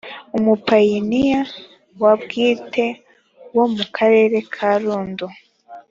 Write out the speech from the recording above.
umupayiniya wa bwite wo mu karere ka rundu